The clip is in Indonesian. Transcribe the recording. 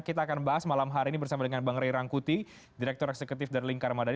kita akan bahas malam hari ini bersama dengan bang ray rangkuti direktur eksekutif darlingkar madani